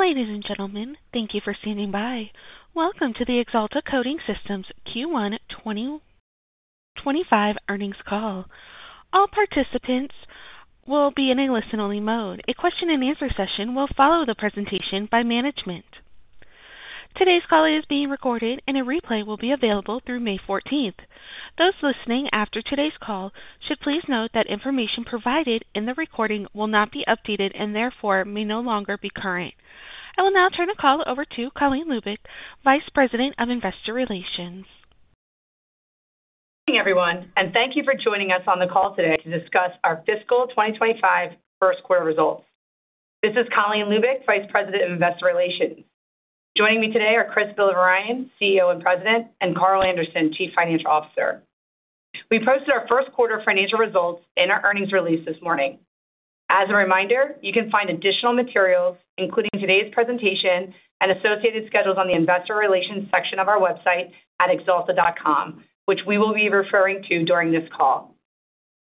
Ladies and gentlemen, thank you for standing by. Welcome to the Axalta Coating Systems Q1-25 Earnings Call. All participants will be in a listen-only mode. A question-and-answer session will follow the presentation by management. Today's call is being recorded, and a replay will be available through May 14th. Those listening after today's call should please note that information provided in the recording will not be updated and therefore may no longer be current. I will now turn the call over to Colleen Lubic, Vice President of Investor Relations. Good evening, everyone, and thank you for joining us on the call today to discuss our fiscal 2025 first quarter results. This is Colleen Lubic, Vice President of Investor Relations. Joining me today are Chris Villavarayan, CEO and President, and Carl Anderson, Chief Financial Officer. We posted our first quarter financial results and our earnings release this morning. As a reminder, you can find additional materials, including today's presentation and associated schedules, on the investor relations section of our website at axalta.com, which we will be referring to during this call.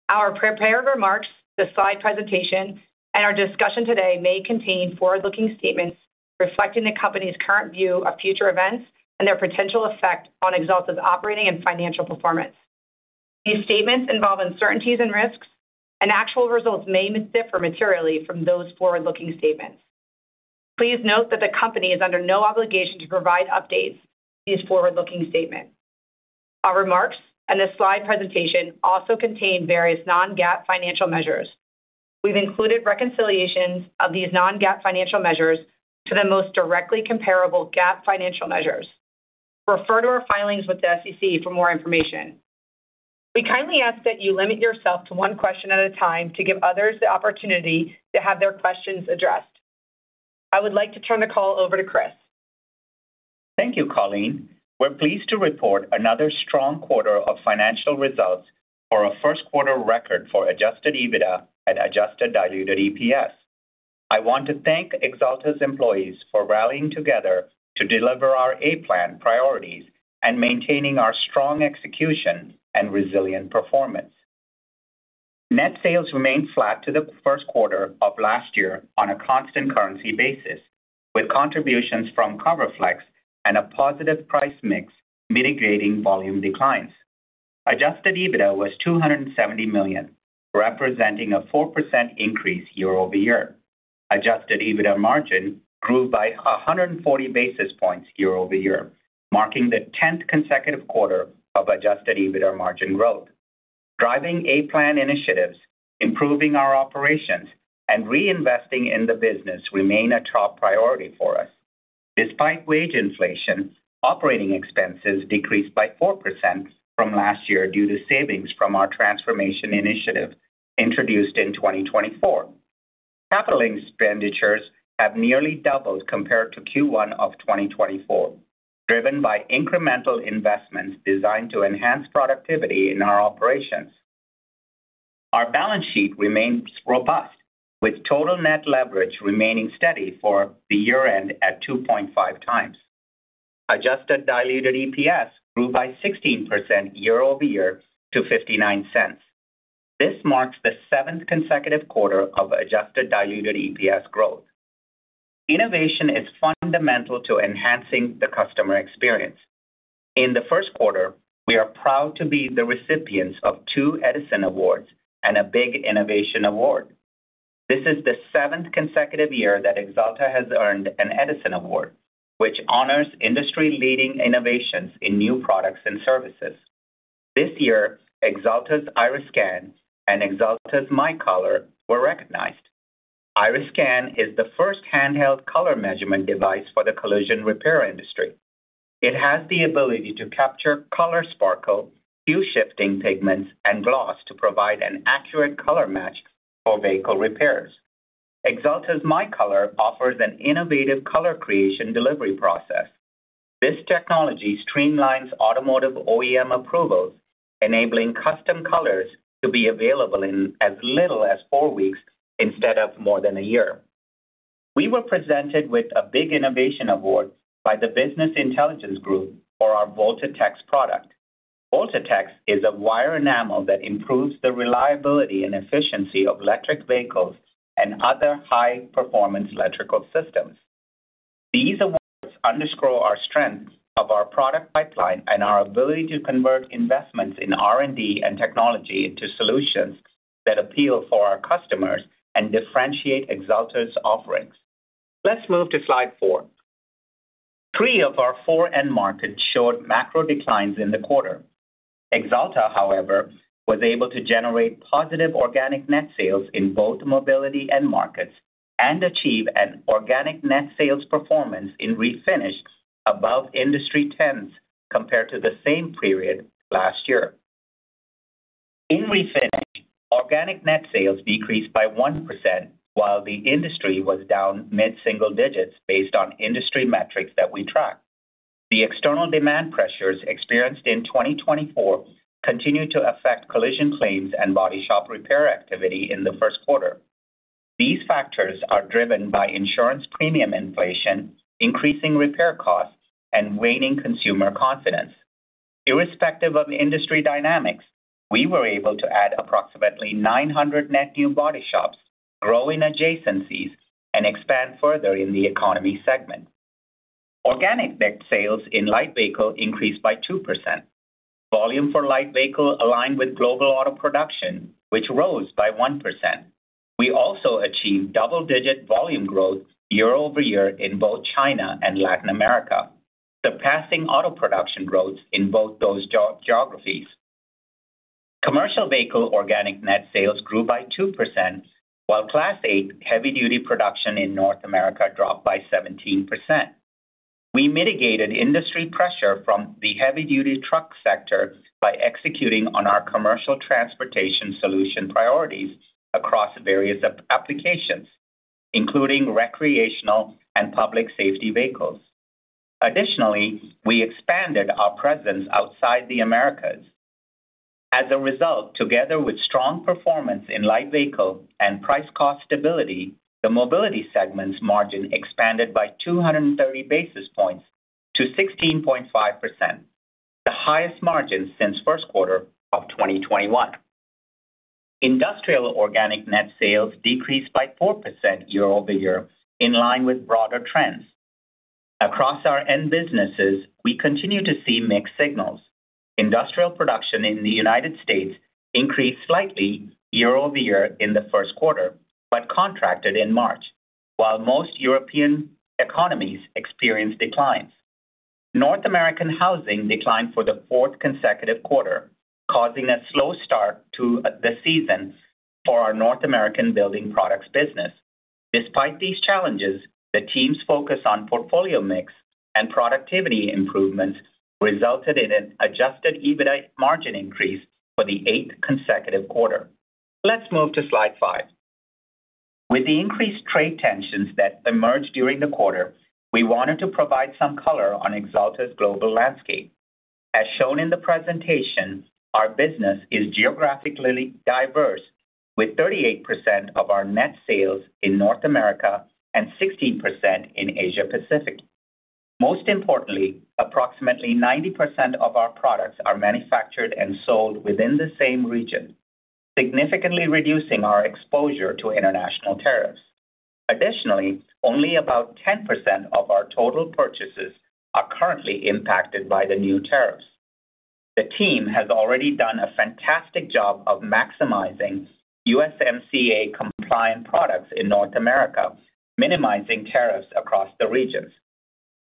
Our prepared remarks, the slide presentation, and our discussion today may contain forward-looking statements reflecting the company's current view of future events and their potential effect on Axalta's operating and financial performance. These statements involve uncertainties and risks, and actual results may differ materially from those forward-looking statements. Please note that the company is under no obligation to provide updates to these forward-looking statements. Our remarks and the slide presentation also contain various non-GAAP financial measures. We have included reconciliations of these non-GAAP financial measures to the most directly comparable GAAP financial measures. Refer to our filings with the SEC for more information. We kindly ask that you limit yourself to one question at a time to give others the opportunity to have their questions addressed. I would like to turn the call over to Chris. Thank you, Colleen. We're pleased to report another strong quarter of financial results for our first quarter record for adjusted EBITDA and adjusted diluted EPS. I want to thank Axalta's employees for rallying together to deliver our A plan priorities and maintaining our strong execution and resilient performance. Net sales remained flat to the first quarter of last year on a constant currency basis, with contributions from CoverFlex and a positive price mix mitigating volume declines. Adjusted EBITDA was $270 million, representing a 4% increase year over year. Adjusted EBITDA margin grew by 140 basis points year over year, marking the 10th consecutive quarter of adjusted EBITDA margin growth. Driving A plan initiatives, improving our operations, and reinvesting in the business remain a top priority for us. Despite wage inflation, operating expenses decreased by 4% from last year due to savings from our transformation initiative introduced in 2024. Capital expenditures have nearly doubled compared to Q1 of 2024, driven by incremental investments designed to enhance productivity in our operations. Our balance sheet remains robust, with total net leverage remaining steady for the year-end at 2.5x. Adjusted diluted EPS grew by 16% year over year to $0.59. This marks the seventh consecutive quarter of adjusted diluted EPS growth. Innovation is fundamental to enhancing the customer experience. In the first quarter, we are proud to be the recipients of two Edison Awards and a Big Innovation Award. This is the seventh consecutive year that Axalta has earned an Edison Award, which honors industry-leading innovations in new products and services. This year, Axalta's Irus Scan and Axalta's MyColor were recognized. Irus Scan is the first handheld color measurement device for the collision repair industry. It has the ability to capture color sparkle, hue-shifting pigments, and gloss to provide an accurate color match for vehicle repairs. Axalta's MyColor offers an innovative color creation delivery process. This technology streamlines automotive OEM approvals, enabling custom colors to be available in as little as four weeks instead of more than a year. We were presented with a Big Innovation Award by the Business Intelligence Group for our Voltatex product. Voltatex is a wire enamel that improves the reliability and efficiency of electric vehicles and other high-performance electrical systems. These awards underscore our strengths of our product pipeline and our ability to convert investments in R and D and technology into solutions that appeal for our customers and differentiate Axalta's offerings. Let's move to slide four. Three of our four end-markets showed macro declines in the quarter. Axalta, however, was able to generate positive organic net sales in both mobility and markets and achieve an organic net sales performance in refinish above industry trends compared to the same period last year. In refinish, organic net sales decreased by 1%, while the industry was down mid-single digits based on industry metrics that we tracked. The external demand pressures experienced in 2024 continued to affect collision claims and body shop repair activity in the first quarter. These factors are driven by insurance premium inflation, increasing repair costs, and waning consumer confidence. Irrespective of industry dynamics, we were able to add approximately 900 net new body shops, grow in adjacencies, and expand further in the economy segment. Organic net sales in light vehicle increased by 2%. Volume for light vehicle aligned with global auto production, which rose by 1%. We also achieved double-digit volume growth year over year in both China and Latin America, surpassing auto production growth in both those geographies. Commercial vehicle organic net sales grew by 2%, while Class 8 heavy-duty production in North America dropped by 17%. We mitigated industry pressure from the heavy-duty truck sector by executing on our commercial transportation solution priorities across various applications, including recreational and public safety vehicles. Additionally, we expanded our presence outside the Americas. As a result, together with strong performance in light vehicle and price cost stability, the mobility segment's margin expanded by 230 basis points to 16.5%, the highest margin since first quarter of 2021. Industrial organic net sales decreased by 4% year over year, in line with broader trends. Across our end businesses, we continue to see mixed signals. Industrial production in the United States increased slightly year over year in the first quarter, but contracted in March, while most European economies experienced declines. North American housing declined for the fourth consecutive quarter, causing a slow start to the season for our North American building products business. Despite these challenges, the team's focus on portfolio mix and productivity improvements resulted in an adjusted EBITDA margin increase for the eighth consecutive quarter. Let's move to slide five. With the increased trade tensions that emerged during the quarter, we wanted to provide some color on Axalta's global landscape. As shown in the presentation, our business is geographically diverse, with 38% of our net sales in North America and 16% in Asia-Pacific. Most importantly, approximately 90% of our products are manufactured and sold within the same region, significantly reducing our exposure to international tariffs. Additionally, only about 10% of our total purchases are currently impacted by the new tariffs. The team has already done a fantastic job of maximizing USMCA-compliant products in North America, minimizing tariffs across the regions.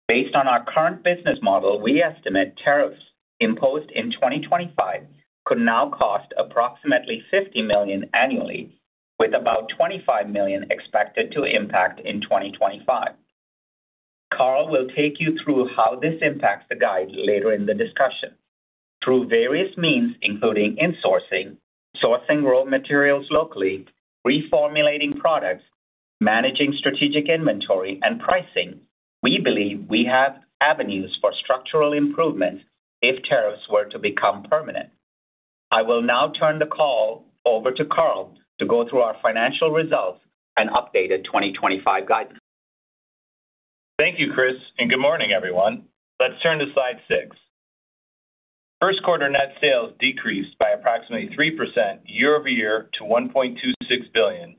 Based on our current business model, we estimate tariffs imposed in 2025 could now cost approximately $50 million annually, with about $25 million expected to impact in 2025. Carl will take you through how this impacts the guide later in the discussion. Through various means, including insourcing, sourcing raw materials locally, reformulating products, managing strategic inventory, and pricing, we believe we have avenues for structural improvements if tariffs were to become permanent. I will now turn the call over to Carl to go through our financial results and updated 2025 guidance. Thank you, Chris, and good morning, everyone. Let's turn to slide six. First quarter net sales decreased by approximately 3% year over year to $1.26 billion,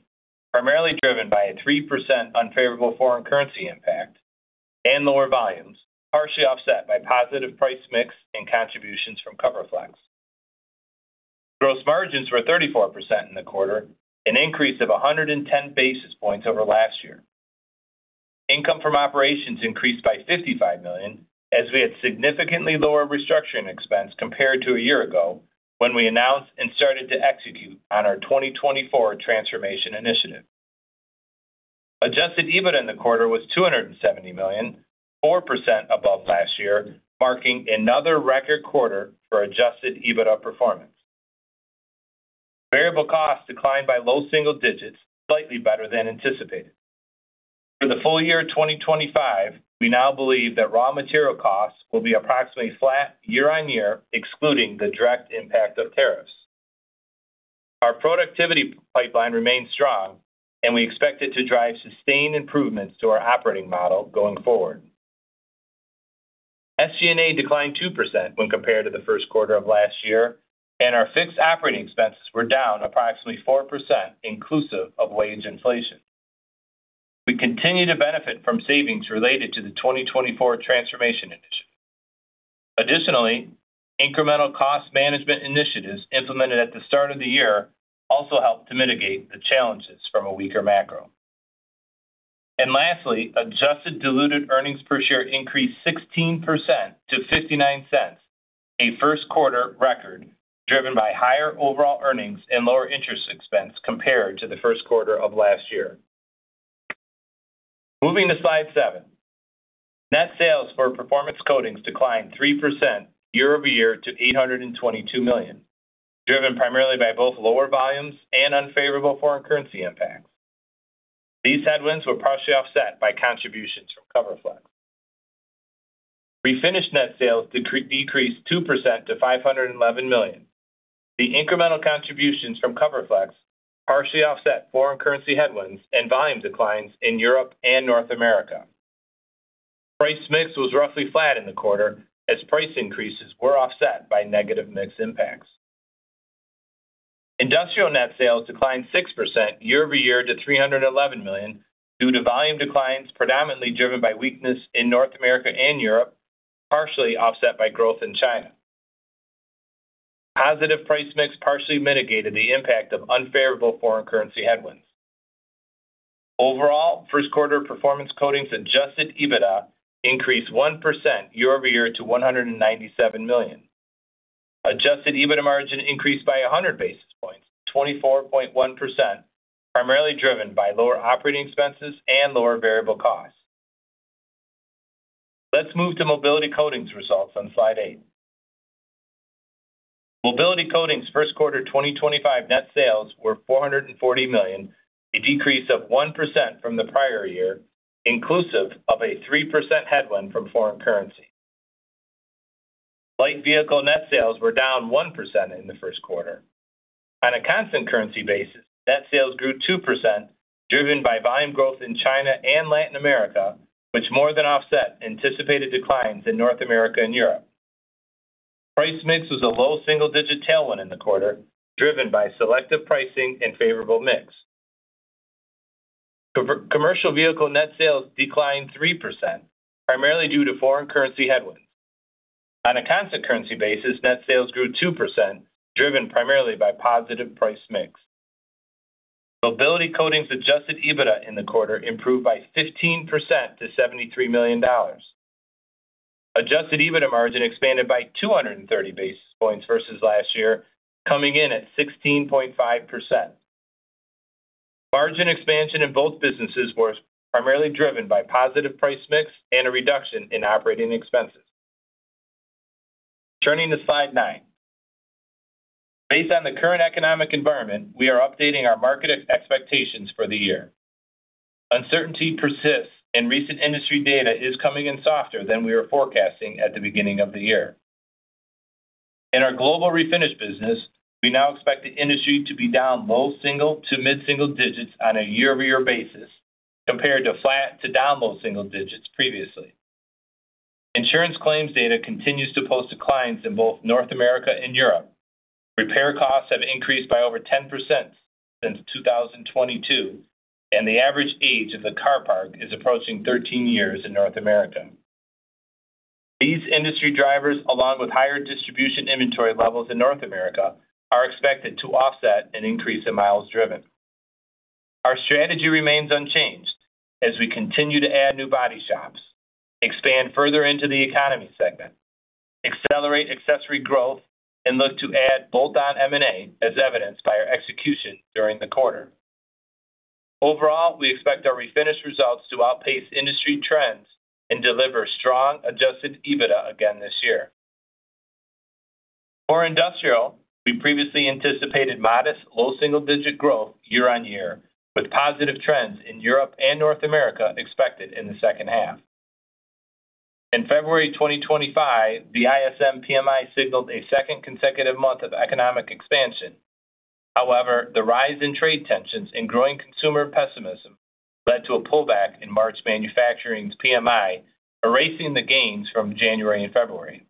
primarily driven by a 3% unfavorable foreign currency impact and lower volumes, partially offset by positive price mix and contributions from CoverFlex. Gross margins were 34% in the quarter, an increase of 110 basis points over last year. Income from operations increased by $55 million, as we had significantly lower restructuring expense compared to a year ago when we announced and started to execute on our 2024 transformation initiative. Adjusted EBITDA in the quarter was $270 million, 4% above last year, marking another record quarter for adjusted EBITDA performance. Variable costs declined by low single digits, slightly better than anticipated. For the full year 2025, we now believe that raw material costs will be approximately flat year on year, excluding the direct impact of tariffs. Our productivity pipeline remains strong, and we expect it to drive sustained improvements to our operating model going forward. SG&A declined 2% when compared to the first quarter of last year, and our fixed operating expenses were down approximately 4%, inclusive of wage inflation. We continue to benefit from savings related to the 2024 transformation initiative. Additionally, incremental cost management initiatives implemented at the start of the year also helped to mitigate the challenges from a weaker macro. Lastly, adjusted diluted earnings per share increased 16% to $0.59, a first quarter record, driven by higher overall earnings and lower interest expense compared to the first quarter of last year. Moving to slide seven. Net sales for performance coatings declined 3% year over year to $822 million, driven primarily by both lower volumes and unfavorable foreign currency impacts. These headwinds were partially offset by contributions from CoverFlex. Refinish net sales decreased 2% to $511 million. The incremental contributions from CoverFlex partially offset foreign currency headwinds and volume declines in Europe and North America. Price mix was roughly flat in the quarter, as price increases were offset by negative mix impacts. Industrial net sales declined 6% year over year to $311 million due to volume declines, predominantly driven by weakness in North America and Europe, partially offset by growth in China. Positive price mix partially mitigated the impact of unfavorable foreign currency headwinds. Overall, first quarter performance coatings adjusted EBITDA increased 1% year over year to $197 million. Adjusted EBITDA margin increased by 100 basis points, 24.1%, primarily driven by lower operating expenses and lower variable costs. Let's move to mobility coatings results on slide eight. Mobility coatings first quarter 2025 net sales were $440 million, a decrease of 1% from the prior year, inclusive of a 3% headwind from foreign currency. Light vehicle net sales were down 1% in the first quarter. On a constant currency basis, net sales grew 2%, driven by volume growth in China and Latin America, which more than offset anticipated declines in North America and Europe. Price mix was a low single-digit tailwind in the quarter, driven by selective pricing and favorable mix. Commercial vehicle net sales declined 3%, primarily due to foreign currency headwinds. On a constant currency basis, net sales grew 2%, driven primarily by positive price mix. Mobility coatings adjusted EBITDA in the quarter improved by 15% to $73 million. Adjusted EBITDA margin expanded by 230 basis points versus last year, coming in at 16.5%. Margin expansion in both businesses was primarily driven by positive price mix and a reduction in operating expenses. Turning to slide nine. Based on the current economic environment, we are updating our market expectations for the year. Uncertainty persists, and recent industry data is coming in softer than we were forecasting at the beginning of the year. In our global refinish business, we now expect the industry to be down low single to mid-single digits on a year-over-year basis, compared to flat to down low single digits previously. Insurance claims data continues to post declines in both North America and Europe. Repair costs have increased by over 10% since 2022, and the average age of the car park is approaching 13 years in North America. These industry drivers, along with higher distribution inventory levels in North America, are expected to offset an increase in miles driven. Our strategy remains unchanged as we continue to add new body shops, expand further into the economy segment, accelerate accessory growth, and look to add bolt-on M&A as evidenced by our execution during the quarter. Overall, we expect our refinish results to outpace industry trends and deliver strong adjusted EBITDA again this year. For industrial, we previously anticipated modest low single-digit growth year on year, with positive trends in Europe and North America expected in the second half. In February 2025, the ISM PMI signaled a second consecutive month of economic expansion. However, the rise in trade tensions and growing consumer pessimism led to a pullback in March manufacturing's PMI, erasing the gains from January and February.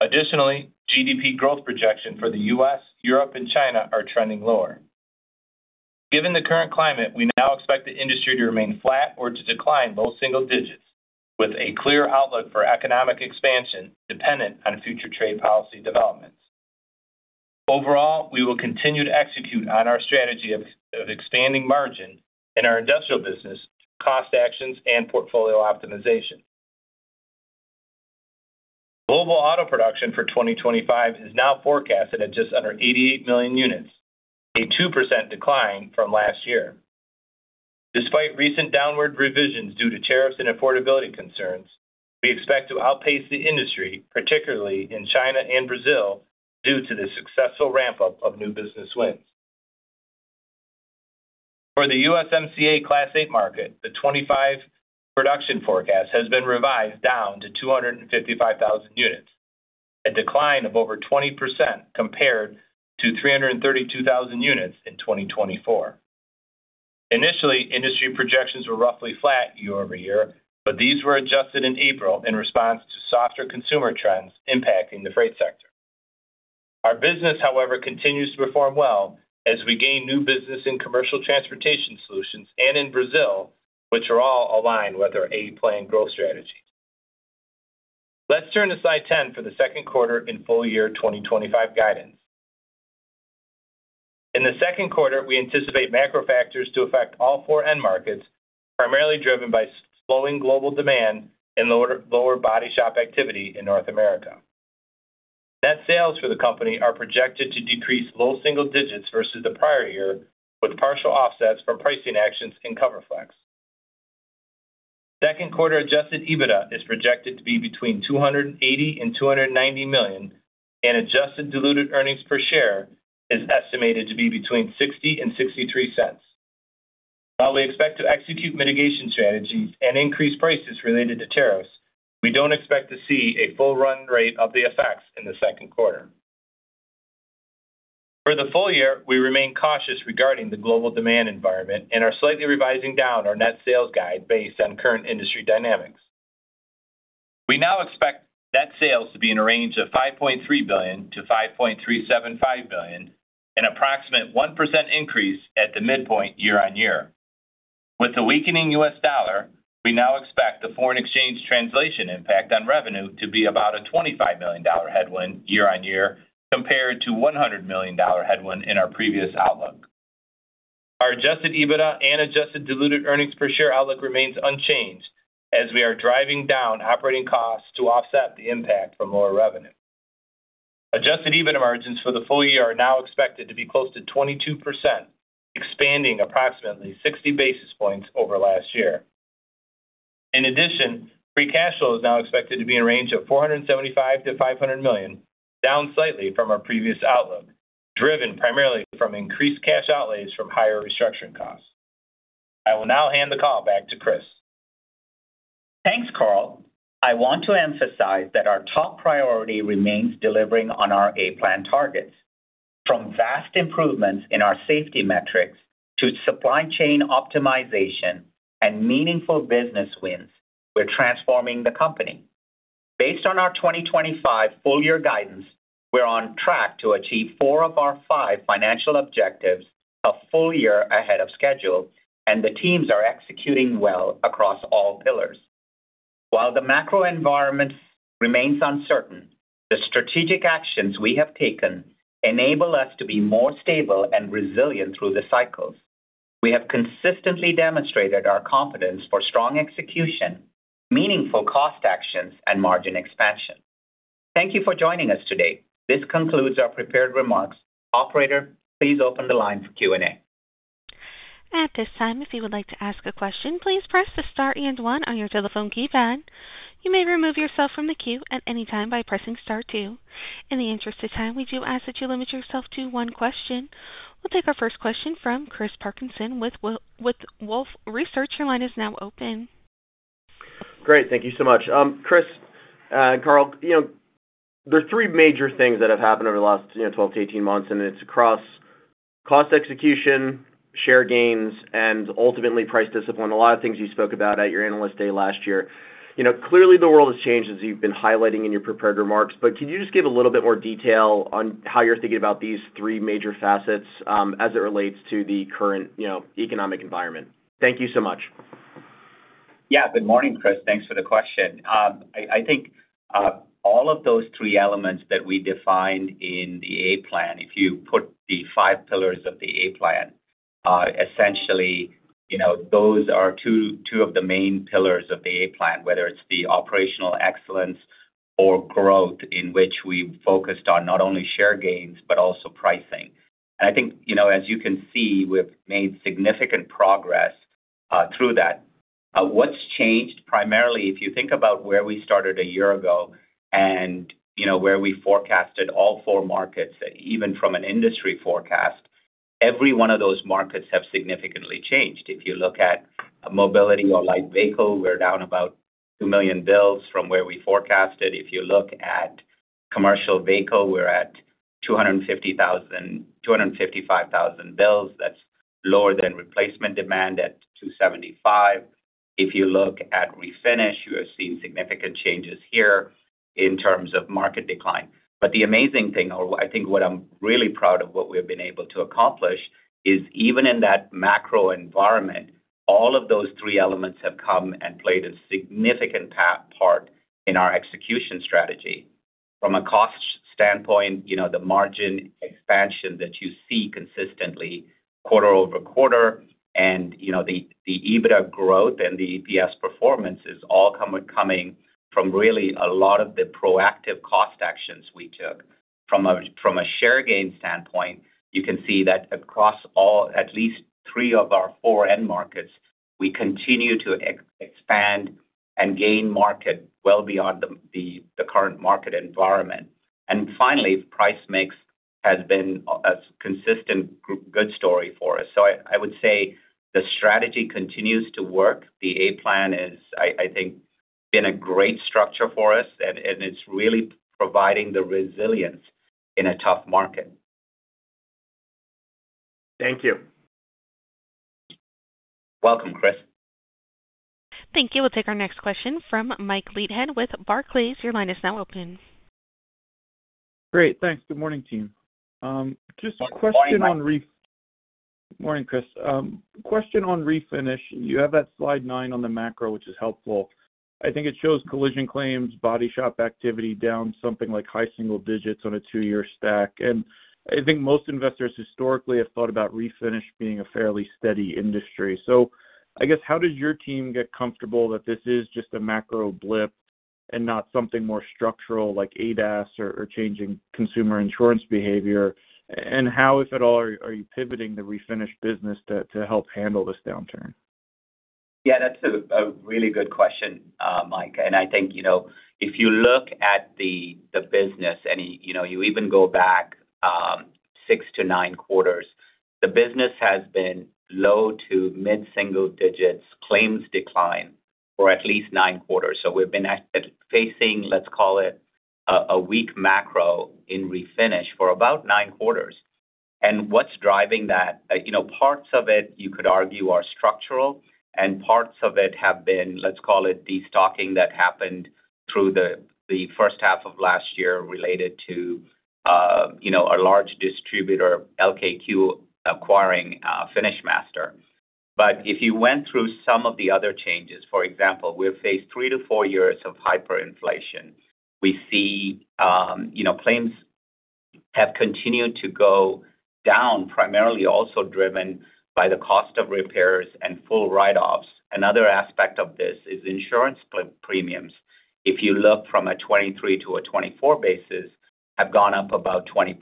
Additionally, GDP growth projections for the U.S., Europe, and China are trending lower. Given the current climate, we now expect the industry to remain flat or to decline low single digits, with a clear outlook for economic expansion dependent on future trade policy developments. Overall, we will continue to execute on our strategy of expanding margin in our industrial business through cost actions and portfolio optimization. Global auto production for 2025 is now forecasted at just under 88 million units, a 2% decline from last year. Despite recent downward revisions due to tariffs and affordability concerns, we expect to outpace the industry, particularly in China and Brazil, due to the successful ramp-up of new business wins. For the USMCA Class 8 market, the 2025 production forecast has been revised down to 255,000 units, a decline of over 20% compared to 332,000 units in 2024. Initially, industry projections were roughly flat year over year, but these were adjusted in April in response to softer consumer trends impacting the freight sector. Our business, however, continues to perform well as we gain new business in commercial transportation solutions and in Brazil, which are all aligned with our A plan growth strategy. Let's turn to slide 10 for the second quarter and full year 2025 guidance. In the second quarter, we anticipate macro factors to affect all four end markets, primarily driven by slowing global demand and lower body shop activity in North America. Net sales for the company are projected to decrease low single digits versus the prior year, with partial offsets from pricing actions and CoverFlex. Second quarter adjusted EBITDA is projected to be between $280 million and $290 million, and adjusted diluted earnings per share is estimated to be between $0.60 and $0.63. While we expect to execute mitigation strategies and increase prices related to tariffs, we don't expect to see a full run rate of the effects in the second quarter. For the full year, we remain cautious regarding the global demand environment and are slightly revising down our net sales guide based on current industry dynamics. We now expect net sales to be in a range of $5.3 billion-$5.375 billion, an approximate 1% increase at the midpoint year on year. With the weakening U.S. dollar, we now expect the foreign exchange translation impact on revenue to be about a $25 million headwind year on year compared to a $100 million headwind in our previous outlook. Our adjusted EBITDA and adjusted diluted earnings per share outlook remains unchanged as we are driving down operating costs to offset the impact from lower revenue. Adjusted EBITDA margins for the full year are now expected to be close to 22%, expanding approximately 60 basis points over last year. In addition, free cash flow is now expected to be in a range of $475 million-$500 million, down slightly from our previous outlook, driven primarily from increased cash outlays from higher restructuring costs. I will now hand the call back to Chris. Thanks, Carl. I want to emphasize that our top priority remains delivering on our A plan targets. From vast improvements in our safety metrics to supply chain optimization and meaningful business wins, we're transforming the company. Based on our 2025 full year guidance, we're on track to achieve four of our five financial objectives a full year ahead of schedule, and the teams are executing well across all pillars. While the macro environment remains uncertain, the strategic actions we have taken enable us to be more stable and resilient through the cycles. We have consistently demonstrated our confidence for strong execution, meaningful cost actions, and margin expansion. Thank you for joining us today. This concludes our prepared remarks. Operator, please open the line for Q and A. At this time, if you would like to ask a question, please press the star and one on your telephone keypad. You may remove yourself from the queue at any time by pressing star two. In the interest of time, we do ask that you limit yourself to one question. We'll take our first question from Chris Parkinson with Wolfe Research. Your line is now open. Great. Thank you so much. Chris, Carl, there are three major things that have happened over the last 12 months-18 months, and it's across cost execution, share gains, and ultimately price discipline. A lot of things you spoke about at your analyst day last year. Clearly, the world has changed, as you've been highlighting in your prepared remarks, but could you just give a little bit more detail on how you're thinking about these three major facets as it relates to the current economic environment? Thank you so much. Yeah. Good morning, Chris. Thanks for the question. I think all of those three elements that we defined in the A plan, if you put the five pillars of the A plan, essentially those are two of the main pillars of the A plan, whether it's the operational excellence or growth, in which we focused on not only share gains but also pricing. I think, as you can see, we've made significant progress through that. What's changed primarily, if you think about where we started a year ago and where we forecasted all four markets, even from an industry forecast, every one of those markets has significantly changed. If you look at mobility or light vehicle, we're down about 2 million builds from where we forecasted. If you look at commercial vehicle, we're at 250,000 builds 255,000 builds. That's lower than replacement demand at 275,000 builds. If you look at refinish, you have seen significant changes here in terms of market decline. The amazing thing, or I think what I'm really proud of, what we have been able to accomplish is even in that macro environment, all of those three elements have come and played a significant part in our execution strategy. From a cost standpoint, the margin expansion that you see consistently quarter over quarter and the EBITDA growth and the EPS performance is all coming from really a lot of the proactive cost actions we took. From a share gain standpoint, you can see that across at least three of our four end markets, we continue to expand and gain market well beyond the current market environment. Finally, price mix has been a consistent good story for us. I would say the strategy continues to work. The A plan has, I think, been a great structure for us, and it's really providing the resilience in a tough market. Thank you. Welcome, Chris. Thank you. We'll take our next question from Mike Leithead with Barclays. Your line is now open. Great. Thanks. Good morning, team. Just a question on refinish. Hi, Chris. Good morning, Chris. Question on refinish. You have that slide nine on the macro, which is helpful. I think it shows collision claims, body shop activity down something like high single digits on a two-year stack. I think most investors historically have thought about refinish being a fairly steady industry. I guess, how does your team get comfortable that this is just a macro blip and not something more structural like ADAS or changing consumer insurance behavior? How, if at all, are you pivoting the refinish business to help handle this downturn? Yeah, that's a really good question, Mike. I think if you look at the business, and you even go back six to nine quarters, the business has been low to mid-single digits, claims decline for at least nine quarters. We have been facing, let's call it, a weak macro in refinish for about nine quarters. What's driving that? Parts of it, you could argue, are structural, and parts of it have been, let's call it, destocking that happened through the first half of last year related to a large distributor, LKQ, acquiring FinishMaster. If you went through some of the other changes, for example, we have faced three years-four years of hyperinflation. We see claims have continued to go down, primarily also driven by the cost of repairs and full write-offs. Another aspect of this is insurance premiums. If you look from a 2023 to a 2024 basis, they have gone up about 20%.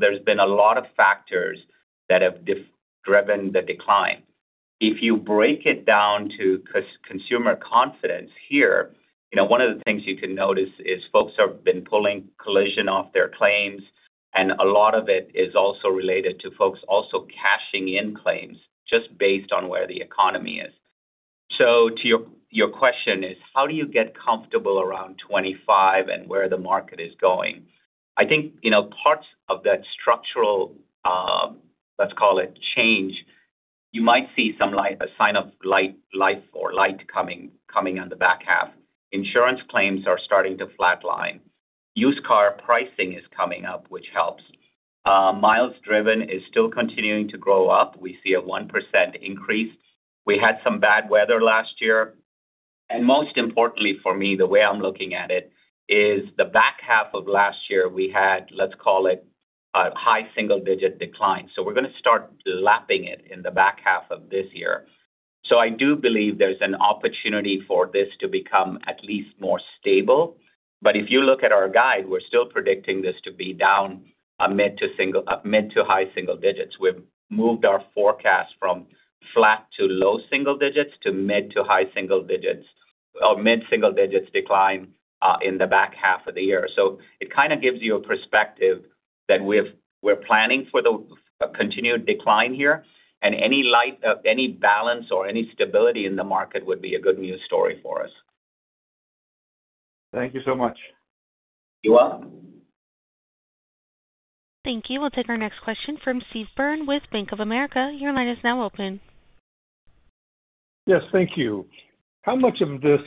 There has been a lot of factors that have driven the decline. If you break it down to consumer confidence here, one of the things you can notice is folks have been pulling collision off their claims, and a lot of it is also related to folks also cashing in claims just based on where the economy is. To your question, how do you get comfortable around 2025 and where the market is going? I think parts of that structural, let's call it, change, you might see some sign of life or light coming on the back half. Insurance claims are starting to flatline. Used car pricing is coming up, which helps. Miles driven is still continuing to grow up. We see a 1% increase. We had some bad weather last year. Most importantly for me, the way I'm looking at it is the back half of last year, we had, let's call it, a high single-digit decline. We're going to start lapping it in the back half of this year. I do believe there's an opportunity for this to become at least more stable. If you look at our guide, we're still predicting this to be down mid to high single digits. We've moved our forecast from flat to low single digits to mid to high single digits or mid-single digits decline in the back half of the year. It kind of gives you a perspective that we're planning for the continued decline here, and any balance or any stability in the market would be a good news story for us. Thank you so much. You're welcome. Thank you. We'll take our next question from Steve Byrne with Bank of America. Your line is now open. Yes, thank you. How much of this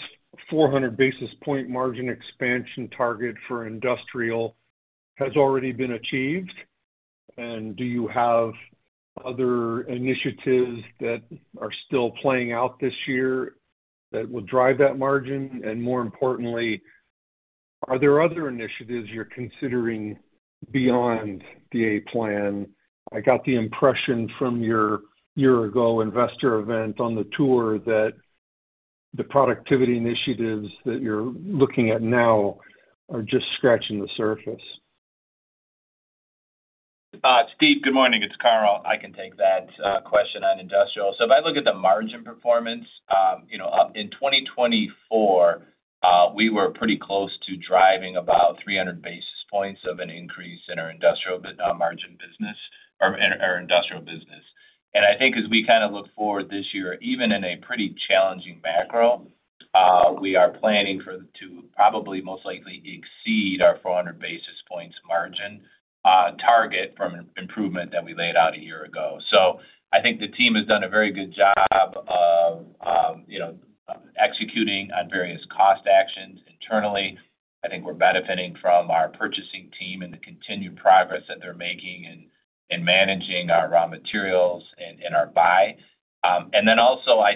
400-basis-point margin expansion target for industrial has already been achieved? Do you have other initiatives that are still playing out this year that will drive that margin? More importantly, are there other initiatives you're considering beyond the A plan? I got the impression from your year-ago investor event on the tour that the productivity initiatives that you're looking at now are just scratching the surface. Steve, good morning. It's Carl. I can take that question on industrial. If I look at the margin performance, in 2024, we were pretty close to driving about 300 basis points of an increase in our industrial margin business or our industrial business. I think as we kind of look forward this year, even in a pretty challenging macro, we are planning to probably most likely exceed our 400-basis-points margin target from improvement that we laid out a year ago. I think the team has done a very good job of executing on various cost actions internally. I think we're benefiting from our purchasing team and the continued progress that they're making in managing our raw materials and our buy.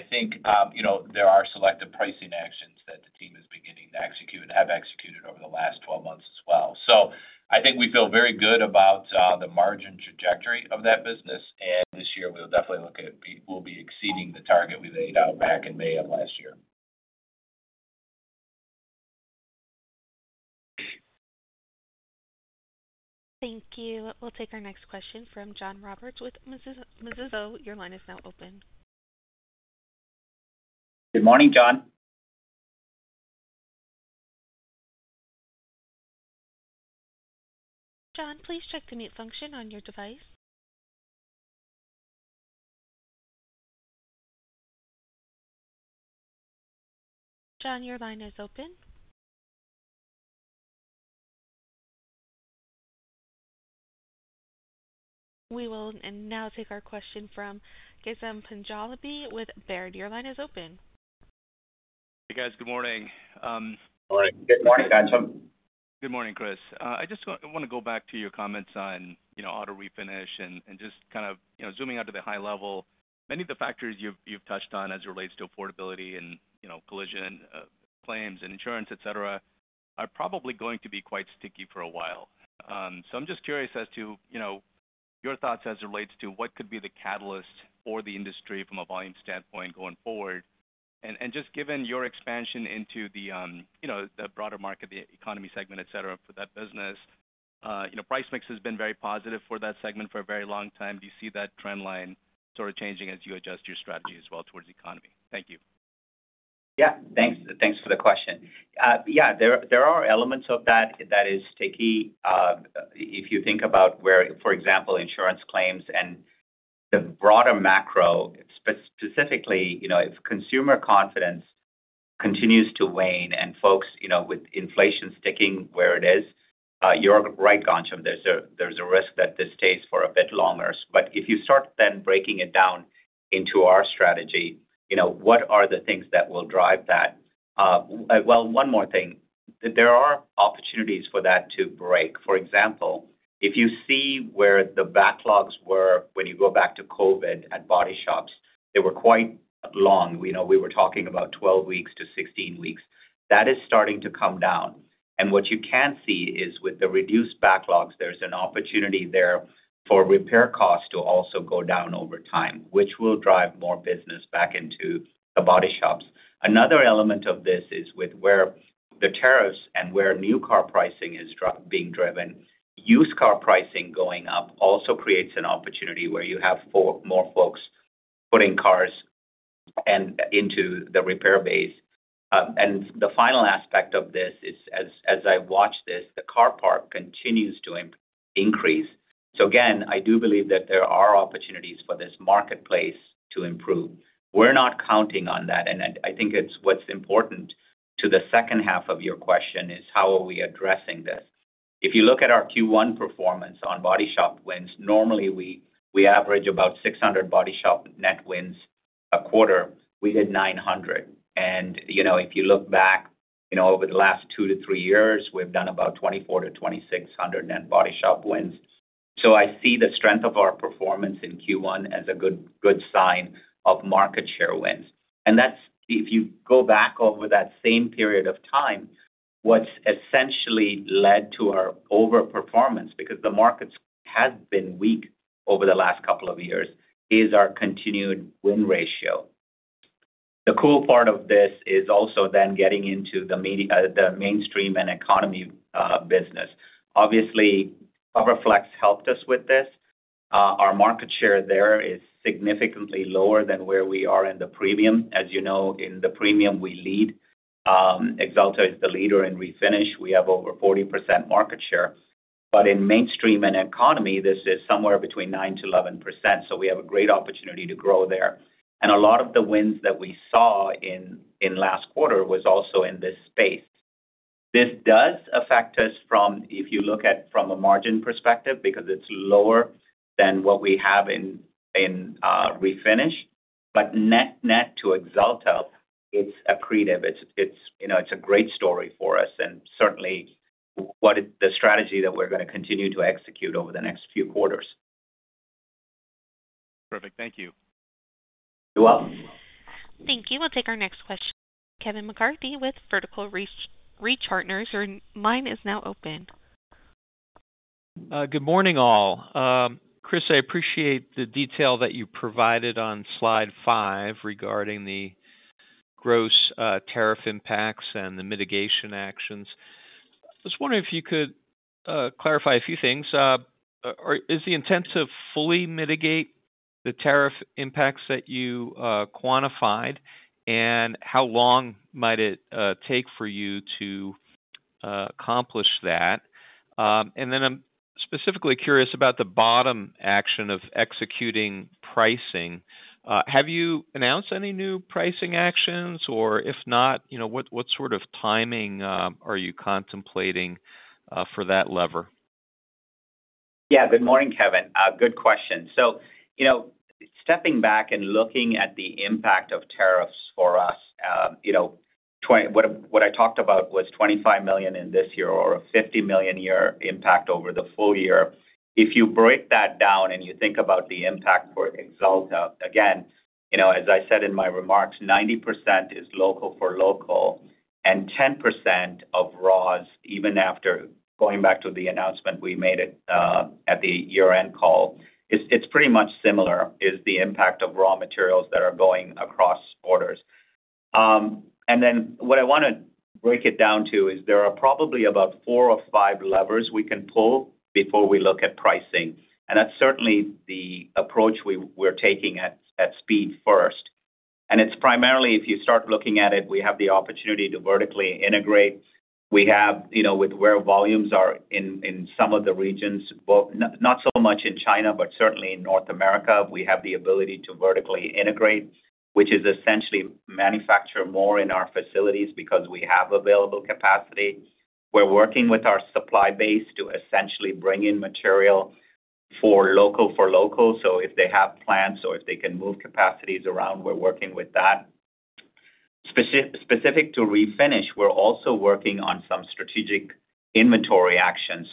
I think there are selective pricing actions that the team has been getting to execute and have executed over the last 12 months as well. I think we feel very good about the margin trajectory of that business. This year, we'll definitely look at we'll be exceeding the target we laid out back in May of last year. Thank you. We'll take our next question from John Roberts with [BMO Capital Markets]. Your line is now open. Good morning, John. John, please check the mute function on your device. John, your line is open. We will now take our question from Ghansham Panjabi with Baird. Your line is open. Hey, guys. Good morning. All right. Good morning Ghansham. Good morning, Chris. I just want to go back to your comments on auto refinish and just kind of zooming out to the high level. Many of the factors you've touched on as it relates to affordability and collision claims and insurance, etc., are probably going to be quite sticky for a while. I am just curious as to your thoughts as it relates to what could be the catalyst for the industry from a volume standpoint going forward. Just given your expansion into the broader market, the economy segment, etc., for that business, price mix has been very positive for that segment for a very long time. Do you see that trend line sort of changing as you adjust your strategy as well towards the economy? Thank you. Yeah. Thanks for the question. Yeah, there are elements of that that is sticky. If you think about where, for example, insurance claims and the broader macro, specifically if consumer confidence continues to wane and folks with inflation sticking where it is, you're right, Ghansham. There's a risk that this stays for a bit longer. If you start then breaking it down into our strategy, what are the things that will drive that? One more thing. There are opportunities for that to break. For example, if you see where the backlogs were when you go back to COVID at body shops, they were quite long. We were talking about 12 weeks-16 weeks. That is starting to come down. What you can see is with the reduced backlogs, there is an opportunity there for repair costs to also go down over time, which will drive more business back into the body shops. Another element of this is with where the tariffs and where new car pricing is being driven, used car pricing going up also creates an opportunity where you have more folks putting cars into the repair base. The final aspect of this is, as I watch this, the car park continues to increase. Again, I do believe that there are opportunities for this marketplace to improve. We are not counting on that. I think what is important to the second half of your question is how are we addressing this. If you look at our Q1 performance on body shop wins, normally we average about 600 body shop net wins a quarter. We did 900. If you look back over the last two to three years, we've done about 2,400 net body shop wins-2,600 net body shop wins. I see the strength of our performance in Q1 as a good sign of market share wins. If you go back over that same period of time, what's essentially led to our overperformance because the markets have been weak over the last couple of years is our continued win ratio. The cool part of this is also then getting into the mainstream and economy business. Obviously, CoverFlex helped us with this. Our market share there is significantly lower than where we are in the premium. As you know, in the premium, we lead. Axalta is the leader in refinish. We have over 40% market share. In mainstream and economy, this is somewhere between 9%-11%. We have a great opportunity to grow there. A lot of the wins that we saw in last quarter was also in this space. This does affect us from, if you look at from a margin perspective, because it's lower than what we have in refinish. Net to Axalta, it's accretive. It's a great story for us and certainly the strategy that we're going to continue to execute over the next few quarters. Perfect. Thank you. You're welcome. Thank you. We'll take our next question, Kevin McCarthy with Vertical Research Partners. Your line is now open. Good morning, all. Chris, I appreciate the detail that you provided on slide five regarding the gross tariff impacts and the mitigation actions. I was wondering if you could clarify a few things. Is the intent to fully mitigate the tariff impacts that you quantified? How long might it take for you to accomplish that? I am specifically curious about the bottom action of executing pricing. Have you announced any new pricing actions? If not, what sort of timing are you contemplating for that lever? Yeah. Good morning, Kevin. Good question. Stepping back and looking at the impact of tariffs for us, what I talked about was $25 million in this year or a $50 million year impact over the full year. If you break that down and you think about the impact for Axalta, again, as I said in my remarks, 90% is local for local and 10% of raws, even after going back to the announcement we made at the year-end call, it's pretty much similar is the impact of raw materials that are going across borders. What I want to break it down to is there are probably about four or five levers we can pull before we look at pricing. That's certainly the approach we're taking at speed first. It's primarily if you start looking at it, we have the opportunity to vertically integrate. We have, with where volumes are in some of the regions, not so much in China, but certainly in North America, we have the ability to vertically integrate, which is essentially manufacture more in our facilities because we have available capacity. We are working with our supply base to essentially bring in material for local for local. If they have plants or if they can move capacities around, we are working with that. Specific to refinish, we are also working on some strategic inventory action.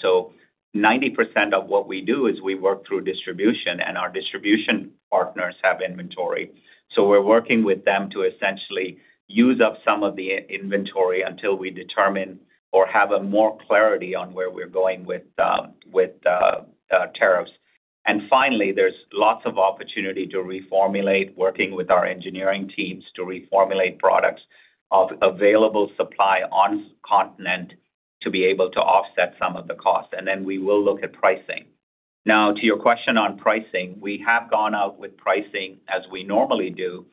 90% of what we do is we work through distribution, and our distribution partners have inventory. We are working with them to essentially use up some of the inventory until we determine or have more clarity on where we are going with tariffs. Finally, there's lots of opportunity to reformulate, working with our engineering teams to reformulate products of available supply on continent to be able to offset some of the cost. We will look at pricing. Now, to your question on pricing, we have gone out with pricing as we normally do.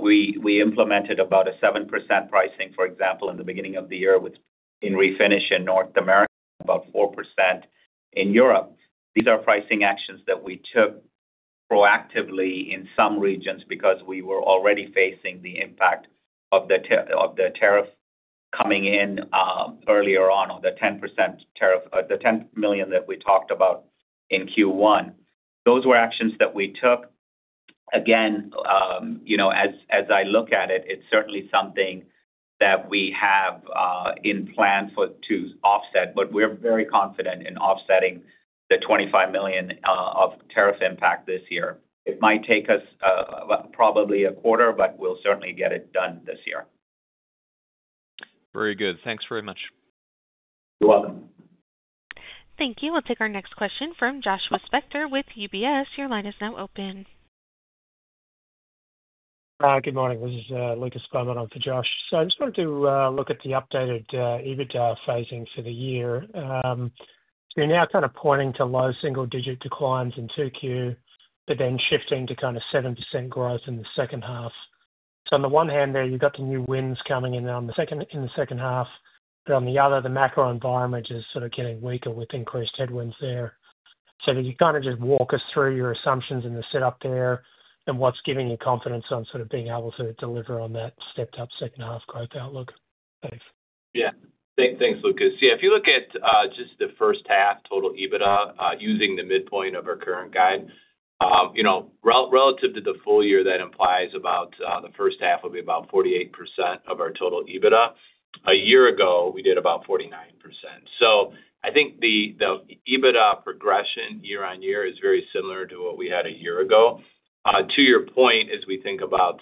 We implemented about a 7% pricing, for example, in the beginning of the year with refinish in North America, about 4% in Europe. These are pricing actions that we took proactively in some regions because we were already facing the impact of the tariff coming in earlier on, the 10% tariff, the $10 million that we talked about in Q1. Those were actions that we took. Again, as I look at it, it's certainly something that we have in plan to offset, but we're very confident in offsetting the $25 million of tariff impact this year. It might take us probably a quarter, but we'll certainly get it done this year. Very good. Thanks very much. You're welcome. Thank you. We'll take our next question from Joshua Spector with UBS. Your line is now open. Good morning. This is Lucas Beaumont for Josh. I just wanted to look at the updated EBITDA phasing for the year. You're now kind of pointing to low single-digit declines in 2Q, but then shifting to 7% growth in the second half. On the one hand there, you've got the new wins coming in in the second half, but on the other, the macro environment is sort of getting weaker with increased headwinds there. Can you just walk us through your assumptions and the setup there and what's giving you confidence on being able to deliver on that stepped-up second-half growth outlook? Yeah. Thanks, Lucas. Yeah. If you look at just the first half total EBITDA using the midpoint of our current guide, relative to the full year, that implies about the first half will be about 48% of our total EBITDA. A year ago, we did about 49%. So I think the EBITDA progression year on year is very similar to what we had a year ago. To your point, as we think about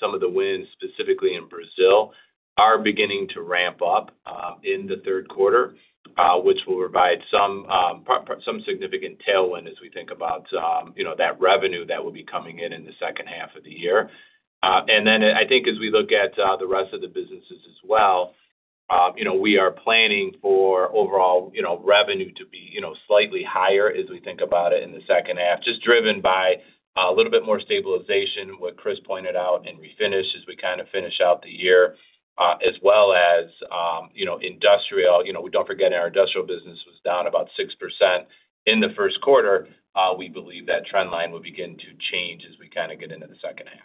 some of the wins specifically in Brazil, are beginning to ramp up in the third quarter, which will provide some significant tailwind as we think about that revenue that will be coming in in the second half of the year. I think as we look at the rest of the businesses as well, we are planning for overall revenue to be slightly higher as we think about it in the second half, just driven by a little bit more stabilization, what Chris pointed out in refinish as we kind of finish out the year, as well as industrial. We do not forget our industrial business was down about 6% in the first quarter. We believe that trend line will begin to change as we kind of get into the second half.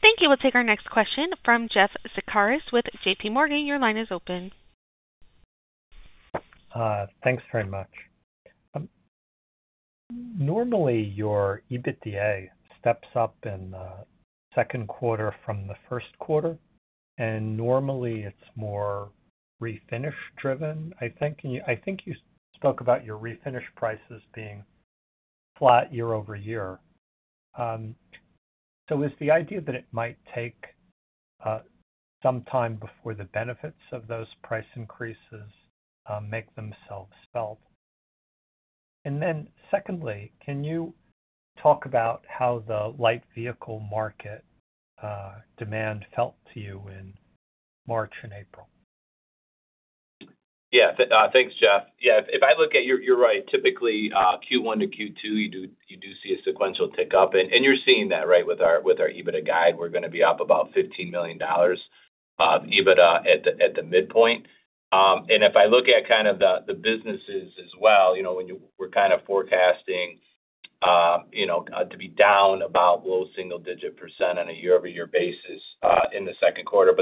Thank you. We'll take our next question from Jeff Zekaris with JPMorgan. Your line is open. Thanks very much. Normally, your EBITDA steps up in the second quarter from the first quarter. Normally, it's more refinish-driven, I think. I think you spoke about your refinish prices being flat year over year. Is the idea that it might take some time before the benefits of those price increases make themselves felt? Secondly, can you talk about how the light vehicle market demand felt to you in March and April? Yeah. Thanks, Jeff. Yeah. If I look at your right, typically Q1 to Q2, you do see a sequential tick up. You're seeing that, right, with our EBITDA guide. We're going to be up about $15 million of EBITDA at the midpoint. If I look at kind of the businesses as well, we're kind of forecasting to be down about low single-digit percent on a year-over-year basis in the second quarter.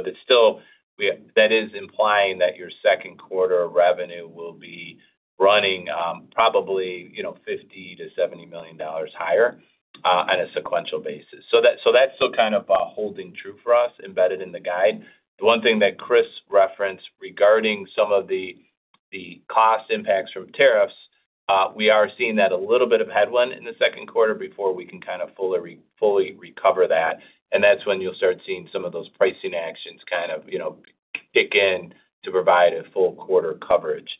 That is implying that your second quarter revenue will be running probably $50 million-$70 million higher on a sequential basis. That's still kind of holding true for us embedded in the guide. The one thing that Chris referenced regarding some of the cost impacts from tariffs, we are seeing that a little bit of headwind in the second quarter before we can kind of fully recover that. That is when you'll start seeing some of those pricing actions kind of kick in to provide a full quarter coverage.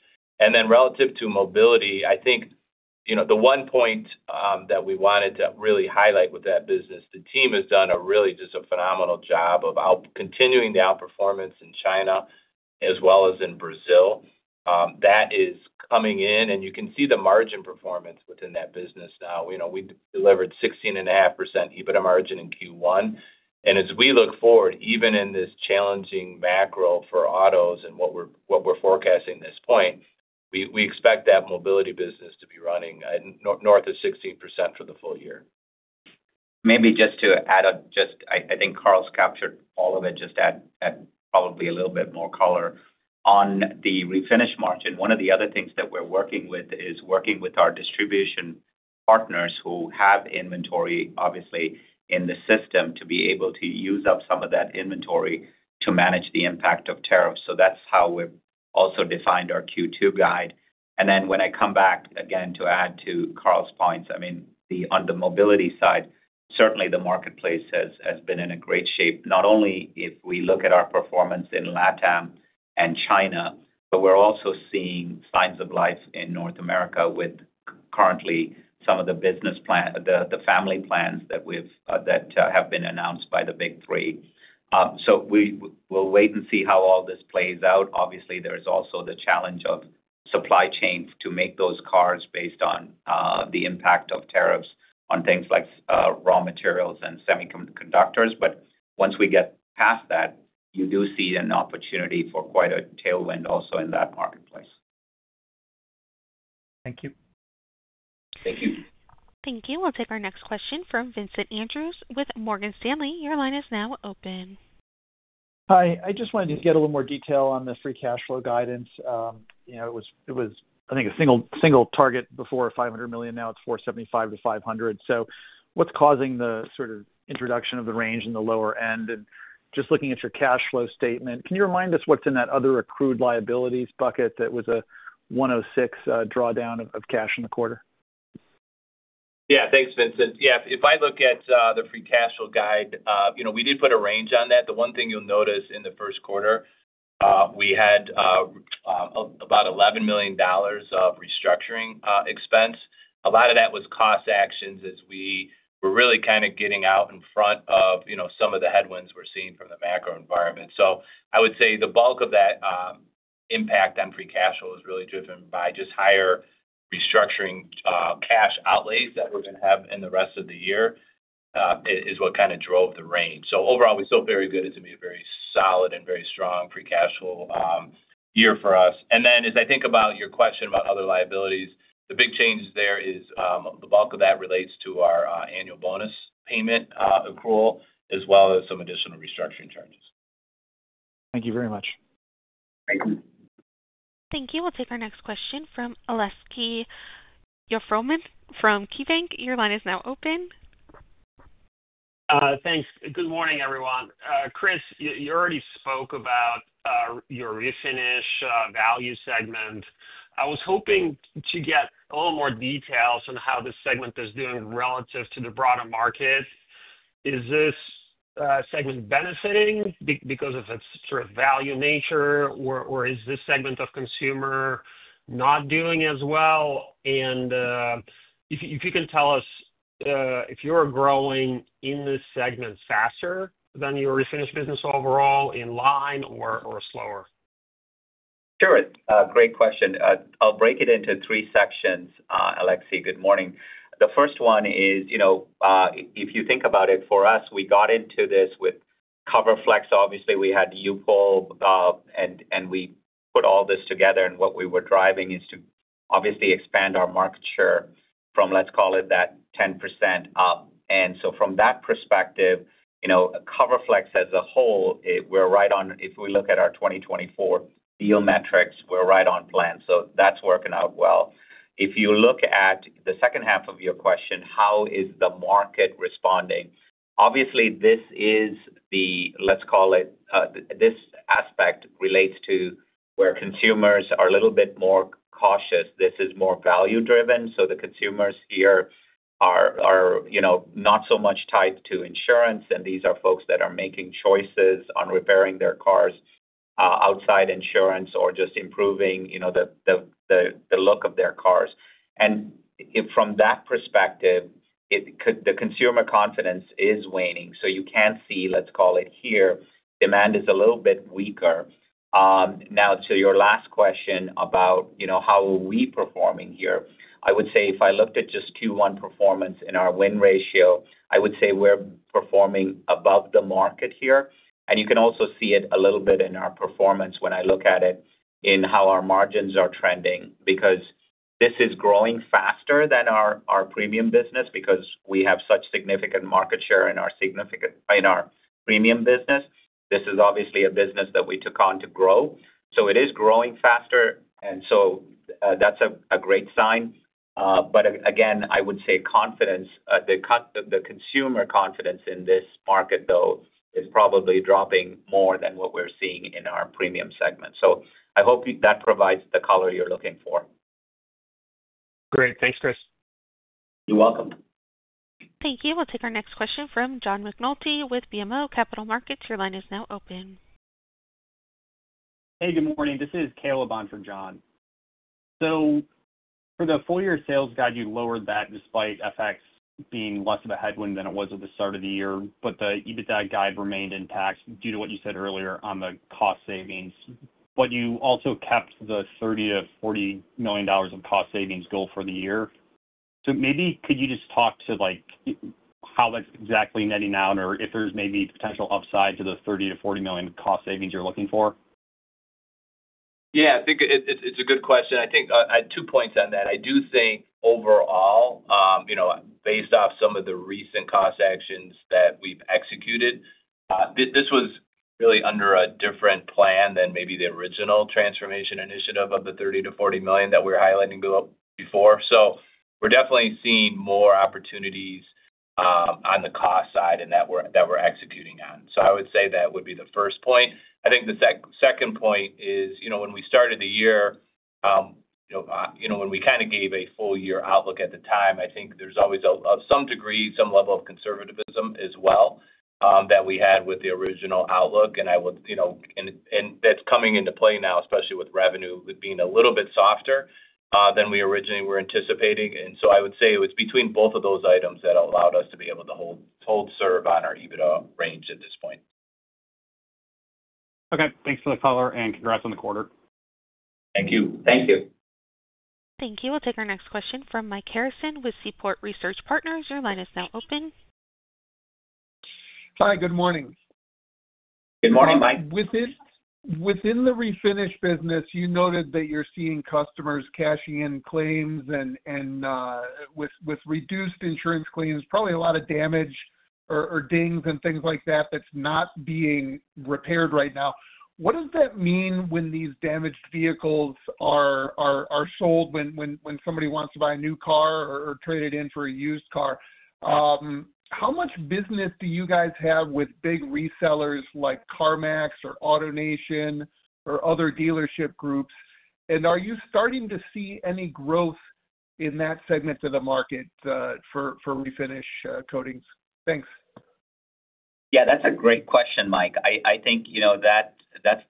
Relative to mobility, I think the one point that we wanted to really highlight with that business, the team has done a really just a phenomenal job of continuing the outperformance in China as well as in Brazil. That is coming in. You can see the margin performance within that business now. We delivered 16.5% EBITDA margin in Q1. As we look forward, even in this challenging macro for autos and what we're forecasting at this point, we expect that mobility business to be running north of 16% for the full year. Maybe just to add, I think Carl's captured all of it, just at probably a little bit more color on the refinish margin. One of the other things that we're working with is working with our distribution partners who have inventory, obviously, in the system to be able to use up some of that inventory to manage the impact of tariffs. That is how we've also defined our Q2 guide. When I come back again to add to Carl's points, I mean, on the mobility side, certainly the marketplace has been in great shape, not only if we look at our performance in LATAM and China, but we're also seeing signs of life in North America with currently some of the business plan, the family plans that have been announced by the big three. We will wait and see how all this plays out. Obviously, there is also the challenge of supply chain to make those cars based on the impact of tariffs on things like raw materials and semiconductors. Once we get past that, you do see an opportunity for quite a tailwind also in that marketplace. Thank you. Thank you. We'll take our next question from Vincent Andrews with Morgan Stanley. Your line is now open. Hi. I just wanted to get a little more detail on the free cash flow guidance. It was, I think, a single target before, $500 million. Now it is $475 million-$500 million. What is causing the sort of introduction of the range and the lower end? Just looking at your cash flow statement, can you remind us what is in that other accrued liabilities bucket that was a $106 million drawdown of cash in the quarter? Yeah. Thanks, Vincent. Yeah. If I look at the free cash flow guide, we did put a range on that. The one thing you'll notice in the first quarter, we had about $11 million of restructuring expense. A lot of that was cost actions as we were really kind of getting out in front of some of the headwinds we're seeing from the macro environment. I would say the bulk of that impact on free cash flow was really driven by just higher restructuring cash outlays that we're going to have in the rest of the year is what kind of drove the range. Overall, we still very good. It's going to be a very solid and very strong free cash flow year for us. As I think about your question about other liabilities, the big change there is the bulk of that relates to our annual bonus payment accrual as well as some additional restructuring charges. Thank you very much. Thank you. Thank you. We'll take our next question from Aleksey Yefremov from KeyBanc. Your line is now open. Thanks. Good morning, everyone. Chris, you already spoke about your refinish value segment. I was hoping to get a little more details on how this segment is doing relative to the broader market. Is this segment benefiting because of its sort of value nature, or is this segment of consumer not doing as well? If you can tell us if you're growing in this segment faster than your refinish business overall, in line, or slower? Sure. Great question. I'll break it into three sections, Aleksey. Good morning. The first one is if you think about it, for us, we got into this with CoverFlex. Obviously, we had UPOL, and we put all this together. What we were driving is to obviously expand our market share from, let's call it that, 10% up. From that perspective, CoverFlex as a whole, we're right on if we look at our 2024 deal metrics, we're right on plan. That's working out well. If you look at the second half of your question, how is the market responding? Obviously, this is the, let's call it this aspect relates to where consumers are a little bit more cautious. This is more value-driven. The consumers here are not so much tied to insurance. These are folks that are making choices on repairing their cars outside insurance or just improving the look of their cars. From that perspective, the consumer confidence is waning. You can see, let's call it here, demand is a little bit weaker. Now, to your last question about how are we performing here, I would say if I looked at just Q1 performance in our win ratio, I would say we're performing above the market here. You can also see it a little bit in our performance when I look at it in how our margins are trending because this is growing faster than our premium business because we have such significant market share in our premium business. This is obviously a business that we took on to grow. It is growing faster. That is a great sign. I would say confidence, the consumer confidence in this market, though, is probably dropping more than what we're seeing in our premium segment. I hope that provides the color you're looking for. Great. Thanks, Chris. You're welcome. Thank you. We'll take our next question from John McNulty with BMO Capital Markets. Your line is now open. Hey, good morning. This is Caleb on for John. For the full-year sales guide, you lowered that despite FX being less of a headwind than it was at the start of the year. The EBITDA guide remained intact due to what you said earlier on the cost savings. Yo`u also kept the $30 million-$40 million of cost savings goal for the year. Maybe could you just talk to how that's exactly netting out or if there's maybe potential upside to the $30 million-$40 million cost savings you're looking for? Yeah. I think it's a good question. I think I had two points on that. I do think overall, based off some of the recent cost actions that we've executed, this was really under a different plan than maybe the original transformation initiative of the $30 milllion-$40 million that we were highlighting before. So we're definitely seeing more opportunities on the cost side and that we're executing on. I would say that would be the first point. I think the second point is when we started the year, when we kind of gave a full-year outlook at the time, I think there's always, to some degree, some level of conservatism as well that we had with the original outlook. I would, and that's coming into play now, especially with revenue being a little bit softer than we originally were anticipating. I would say it was between both of those items that allowed us to be able to hold serve on our EBITDA range at this point. Okay. Thanks for the color and congrats on the quarter. Thank you. Thank you. Thank you. We'll take our next question from Mike Harrison with Seaport Research Partners. Your line is now open. Hi. Good morning. Good morning, Mike. Within the refinish business, you noted that you're seeing customers cashing in claims and with reduced insurance claims, probably a lot of damage or dings and things like that that's not being repaired right now. What does that mean when these damaged vehicles are sold when somebody wants to buy a new car or trade it in for a used car? How much business do you guys have with big resellers like CarMax or AutoNation or other dealership groups? Are you starting to see any growth in that segment of the market for refinish coatings? Thanks. Yeah. That's a great question, Mike. I think that's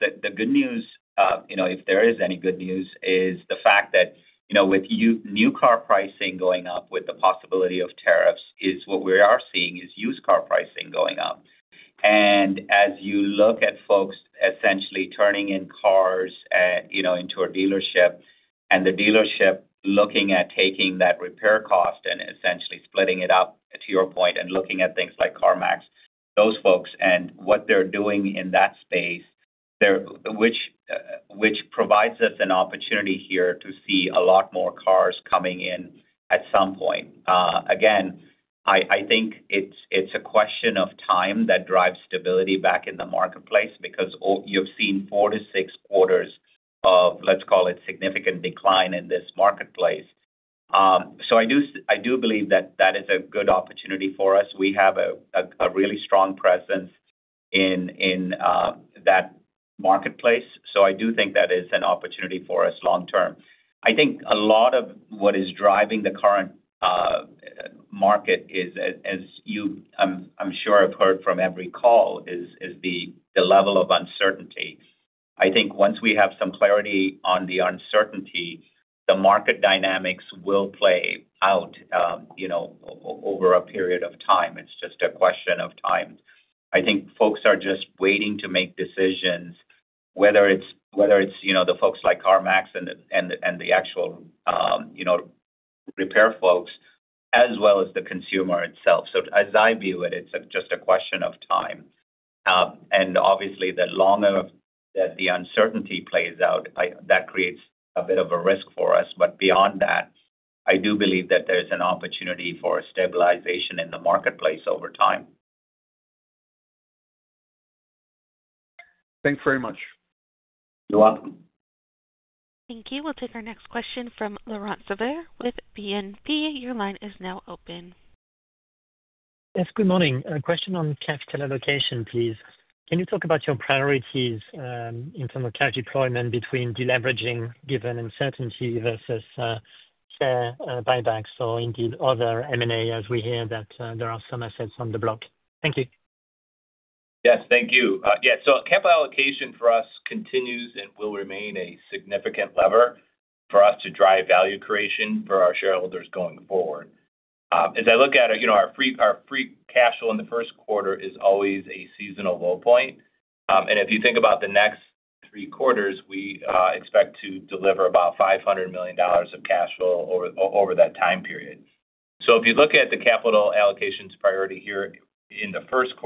the good news, if there is any good news, is the fact that with new car pricing going up with the possibility of tariffs, what we are seeing is used car pricing going up. As you look at folks essentially turning in cars into a dealership and the dealership looking at taking that repair cost and essentially splitting it up, to your point, and looking at things like CarMax, those folks and what they're doing in that space, which provides us an opportunity here to see a lot more cars coming in at some point. Again, I think it's a question of time that drives stability back in the marketplace because you've seen four to six quarters of, let's call it, significant decline in this marketplace. I do believe that that is a good opportunity for us. We have a really strong presence in that marketplace. I do think that is an opportunity for us long term. I think a lot of what is driving the current market is, as I'm sure I've heard from every call, the level of uncertainty. I think once we have some clarity on the uncertainty, the market dynamics will play out over a period of time. It's just a question of time. I think folks are just waiting to make decisions, whether it's the folks like CarMax and the actual repair folks as well as the consumer itself. As I view it, it's just a question of time. Obviously, the longer that the uncertainty plays out, that creates a bit of a risk for us. Beyond that, I do believe that there's an opportunity for stabilization in the marketplace over time. Thanks very much. You're welcome. Thank you. We'll take our next question from Laurent Favre with BNP. Your line is now open. Yes. Good morning. A question on capital allocation, please. Can you talk about your priorities in terms of cash deployment between deleveraging given uncertainty versus share buybacks or indeed other M&A as we hear that there are some assets on the block? Thank you. Yes. Thank you. Yeah. Capital allocation for us continues and will remain a significant lever for us to drive value creation for our shareholders going forward. As I look at it, our free cash flow in the first quarter is always a seasonal low point. If you think about the next three quarters, we expect to deliver about $500 million of cash flow over that time period. If you look at the capital allocations priority here in the first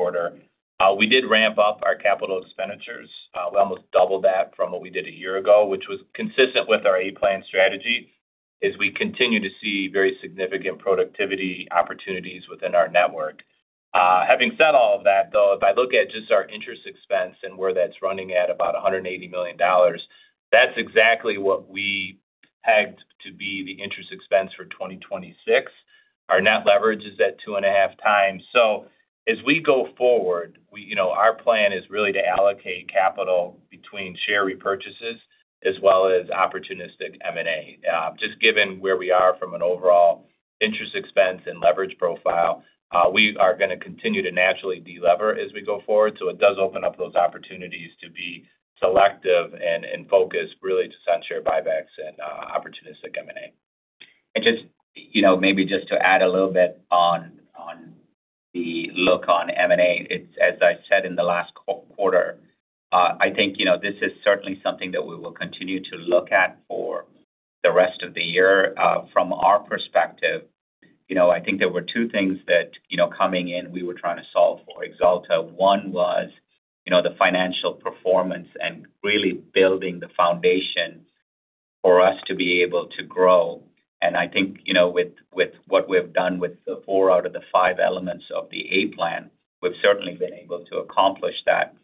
quarter, we did ramp up our capital expenditures. We almost doubled that from what we did a year ago, which was consistent with our A plan strategy as we continue to see very significant productivity opportunities within our network. Having said all of that, though, if I look at just our interest expense and where that's running at about $180 million, that's exactly what we pegged to be the interest expense for 2026. Our net leverage is at 2.5x. As we go forward, our plan is really to allocate capital between share repurchases as well as opportunistic M&A. Just given where we are from an overall interest expense and leverage profile, we are going to continue to naturally deleverage as we go forward. It does open up those opportunities to be selective and focused really to sunshare buybacks and opportunistic M&A. Maybe just to add a little bit on the look on M&A, as I said in the last quarter, I think this is certainly something that we will continue to look at for the rest of the year. From our perspective, I think there were two things that coming in we were trying to solve for Axalta. One was the financial performance and really building the foundation for us to be able to grow. I think with what we have done with the four out of the five elements of the A plan, we have certainly been able to accomplish that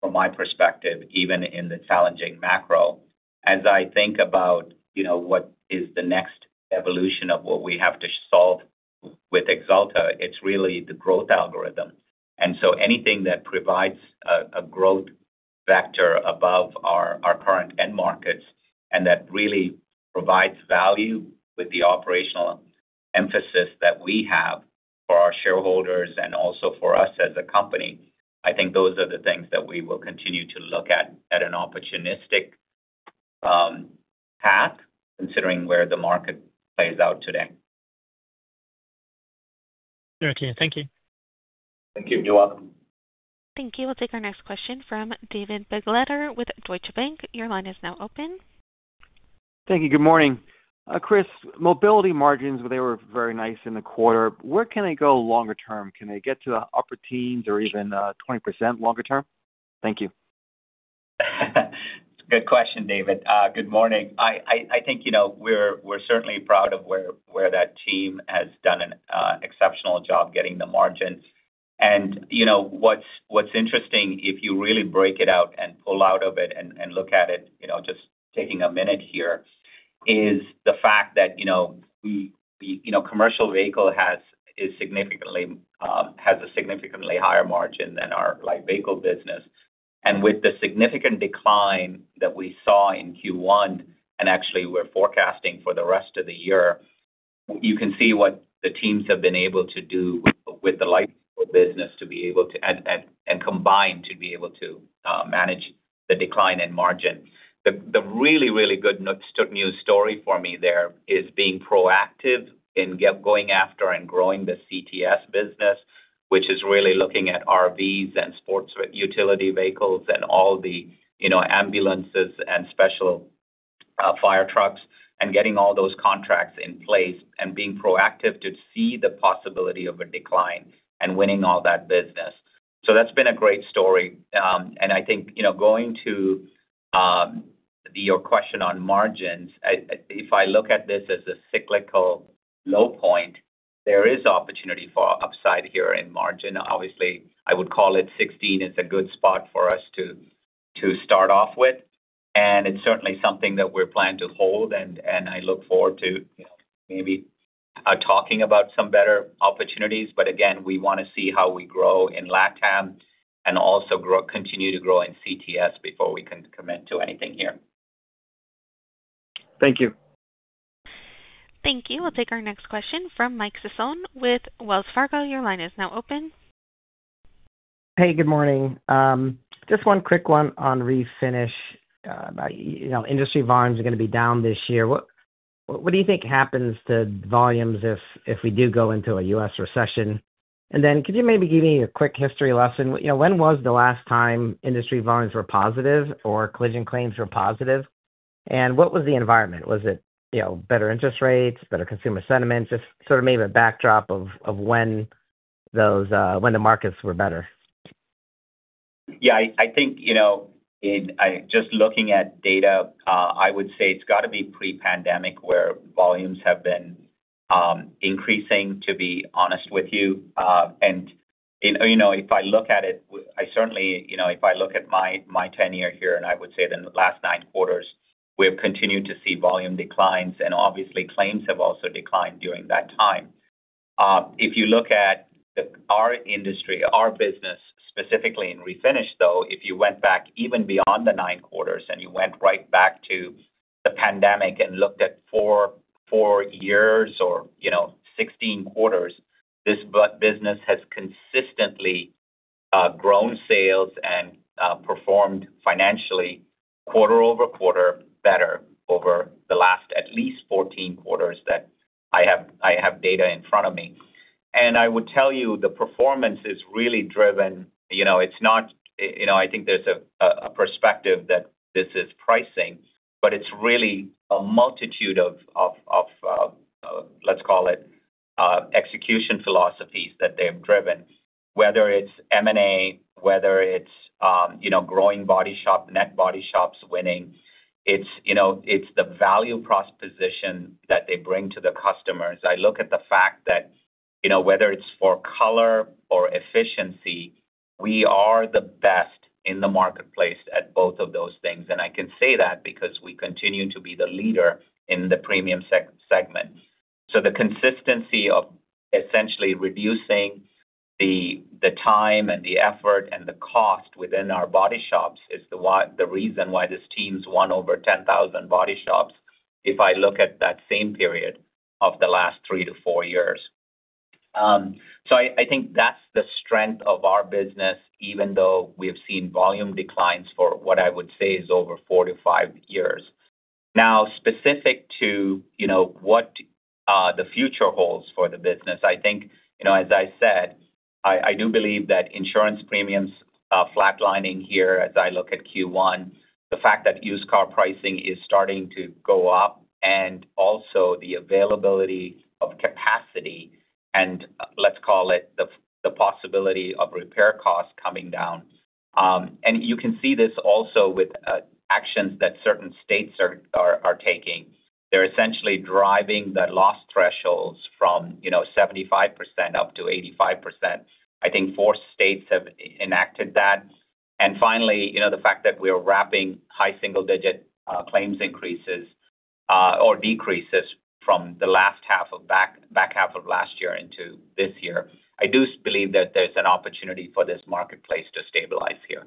from my perspective, even in the challenging macro. As I think about what is the next evolution of what we have to solve with Axalta, it is really the growth algorithm. Anything that provides a growth factor above our current end markets and that really provides value with the operational emphasis that we have for our shareholders and also for us as a company, I think those are the things that we will continue to look at at an opportunistic path considering where the market plays out today. Very clear. Thank you. Thank you. You're welcome. Thank you. We'll take our next question from David Begleiter with Deutsche Bank. Your line is now open. Thank you. Good morning. Chris, mobility margins, they were very nice in the quarter. Where can they go longer term? Can they get to the upper teens or even 20% longer term? Thank you. It's a good question, David. Good morning. I think we're certainly proud of where that team has done an exceptional job getting the margins. What's interesting, if you really break it out and pull out of it and look at it, just taking a minute here, is the fact that commercial vehicle has a significantly higher margin than our light vehicle business. With the significant decline that we saw in Q1 and actually we're forecasting for the rest of the year, you can see what the teams have been able to do with the light vehicle business to be able to and combined to be able to manage the decline in margin. The really, really good news story for me there is being proactive in going after and growing the CTS business, which is really looking at RVs and sports utility vehicles and all the ambulances and special fire trucks and getting all those contracts in place and being proactive to see the possibility of a decline and winning all that business. That has been a great story. I think going to your question on margins, if I look at this as a cyclical low point, there is opportunity for upside here in margin. Obviously, I would call it 16% is a good spot for us to start off with. It is certainly something that we are planning to hold. I look forward to maybe talking about some better opportunities. Again, we want to see how we grow in LATAM and also continue to grow in CTS before we can commit to anything here. Thank you. Thank you. We'll take our next question from Mike Sison with Wells Fargo. Your line is now open. Hey, good morning. Just one quick one on refinish. Industry volumes are going to be down this year. What do you think happens to volumes if we do go into a U.S. recession? Could you maybe give me a quick history lesson? When was the last time industry volumes were positive or collision claims were positive? What was the environment? Was it better interest rates, better consumer sentiment? Just sort of maybe a backdrop of when the markets were better. Yeah. I think just looking at data, I would say it's got to be pre-pandemic where volumes have been increasing, to be honest with you. If I look at it, certainly if I look at my tenure here, I would say the last nine quarters, we have continued to see volume declines. Obviously, claims have also declined during that time. If you look at our industry, our business specifically in refinish, though, if you went back even beyond the nine quarters and you went right back to the pandemic and looked at four years or 16 quarters, this business has consistently grown sales and performed financially quarter over quarter better over the last at least 14 quarters that I have data in front of me. I would tell you the performance is really driven. It's not, I think there's a perspective that this is pricing, but it's really a multitude of, let's call it, execution philosophies that they've driven, whether it's M&A, whether it's growing body shop, net body shops winning. It's the value proposition that they bring to the customers. I look at the fact that whether it's for color or efficiency, we are the best in the marketplace at both of those things. I can say that because we continue to be the leader in the premium segment. The consistency of essentially reducing the time and the effort and the cost within our body shops is the reason why this team's won over 10,000 body shops if I look at that same period of the last three to four years. I think that's the strength of our business, even though we have seen volume declines for what I would say is over four to five years. Now, specific to what the future holds for the business, I think, as I said, I do believe that insurance premiums flatlining here as I look at Q1, the fact that used car pricing is starting to go up, and also the availability of capacity and, let's call it, the possibility of repair costs coming down. You can see this also with actions that certain states are taking. They're essentially driving the loss thresholds from 75% up to 85%. I think four states have enacted that. Finally, the fact that we are wrapping high single-digit claims increases or decreases from the last half of back half of last year into this year. I do believe that there's an opportunity for this marketplace to stabilize here.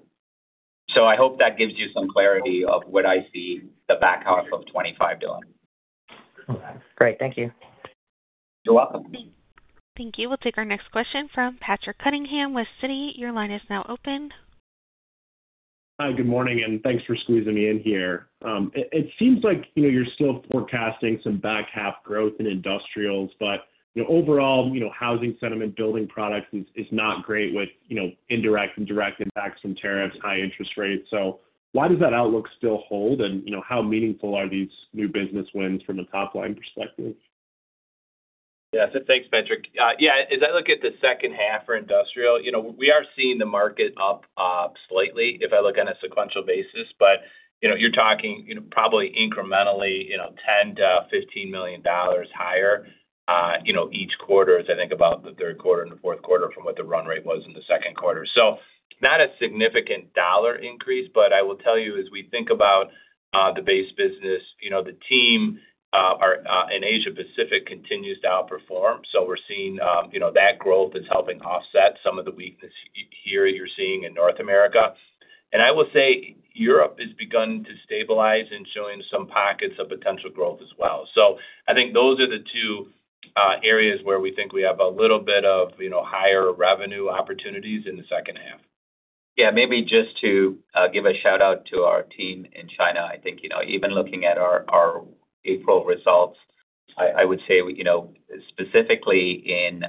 I hope that gives you some clarity of what I see the back half of 2025 doing. All right. Great. Thank you. You're welcome. Thank you. We'll take our next question from Patrick Cunningham with Citi. Your line is now open. Hi, good morning. Thanks for squeezing me in here. It seems like you're still forecasting some back half growth in industrials, but overall, housing sentiment, building products is not great with indirect and direct impacts from tariffs, high interest rates. Why does that outlook still hold? How meaningful are these new business wins from a top-line perspective? Yeah. Thanks, Patrick. Yeah. As I look at the second half for industrial, we are seeing the market up slightly if I look on a sequential basis. You are talking probably incrementally $10 million-$15 million higher each quarter as I think about the third quarter and the fourth quarter from what the run rate was in the second quarter. Not a significant dollar increase. I will tell you, as we think about the base business, the team in Asia-Pacific continues to outperform. We are seeing that growth is helping offset some of the weakness here you are seeing in North America. I will say Europe has begun to stabilize and is showing some pockets of potential growth as well. I think those are the two areas where we think we have a little bit of higher revenue opportunities in the second half. Yeah. Maybe just to give a shout-out to our team in China. I think even looking at our April results, I would say specifically in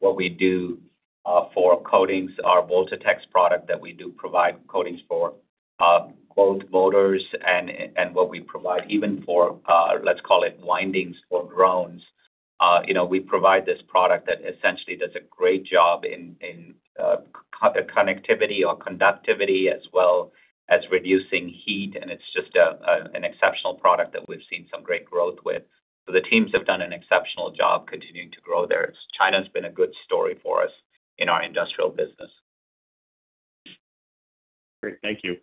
what we do for coatings, our VoltaTex product that we do provide coatings for both motors and what we provide even for, let's call it, windings or drones. We provide this product that essentially does a great job in connectivity or conductivity as well as reducing heat. And it's just an exceptional product that we've seen some great growth with. So the teams have done an exceptional job continuing to grow there. China has been a good story for us in our industrial business. Great. Thank you.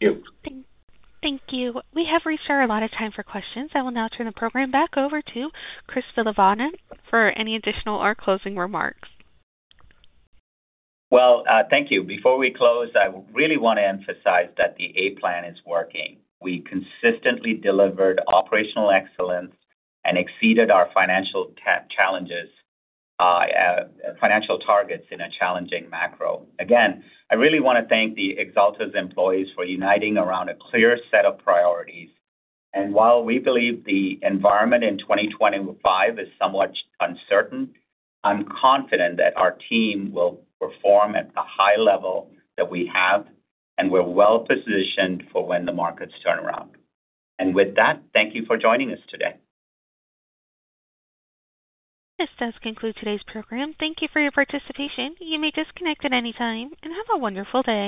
Thank you. Thank you. We have reached our allotted time for questions. I will now turn the program back over to Chris Villavarayan for any additional or closing remarks. Thank you. Before we close, I really want to emphasize that the A plan is working. We consistently delivered operational excellence and exceeded our financial targets in a challenging macro. Again, I really want to thank Axalta's employees for uniting around a clear set of priorities. While we believe the environment in 2025 is somewhat uncertain, I'm confident that our team will perform at the high level that we have, and we're well-positioned for when the markets turn around. With that, thank you for joining us today. This does conclude today's program. Thank you for your participation. You may disconnect at any time and have a wonderful day.